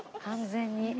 完全に。